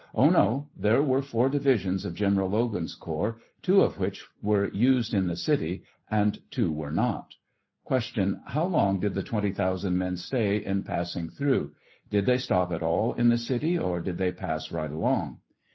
Oh, no ; there were four divisions of General Logan's corps; two of which were used in the city, and two were not. Q. How long did the 20,000 men stay in passing through ; did they stop at all in the city, or did they pass right along